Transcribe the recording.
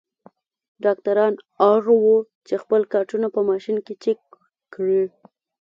ډاکټران اړ وو خپل کارټونه په ماشین کې چک کړي.